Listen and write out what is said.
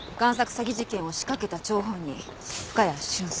詐欺事件を仕掛けた張本人深谷俊介。